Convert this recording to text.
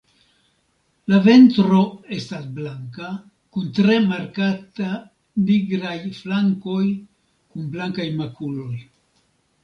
La ventro estas blanka kun tre markata nigraj flankoj kun blankaj makuloj.